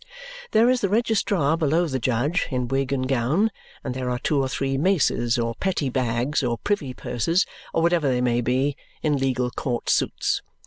There is the registrar below the judge, in wig and gown; and there are two or three maces, or petty bags, or privy purses, or whatever they may be, in legal court suits.